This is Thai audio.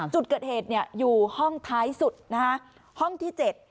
จุดเกิดเหตุเนี่ยอยู่ห้องท้ายสุดนะฮะห้องที่๗